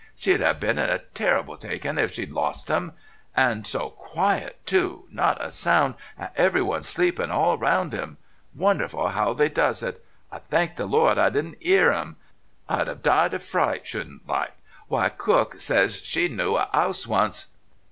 She'd 'ave been in a terrible takin' if she'd lost 'em... And so quiet too not a sound and everyone sleepin' all round 'im. Wonderful 'ow they does it! I thank the Lord I didn't 'ear 'im; I'd 'ave died of fright shouldn't like! Why, Cook says she knew a 'ouse once..."